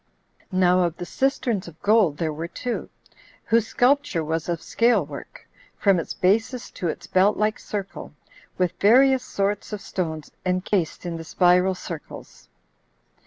10. Now of the cisterns of gold there were two, whose sculpture was of scale work, from its basis to its belt like circle, with various sorts of stones enchased in the spiral circles.